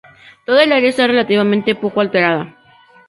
Toda el área está relativamente poco alterada.